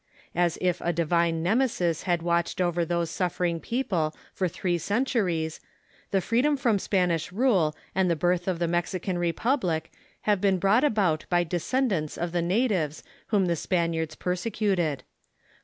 As if a divine Nemesis had watched over those suffering people for three centuries, the freedom from Spanish rule and the birth of the Mexican Republic have been brought about by descendants of the natives whom the Spaniards persecuted.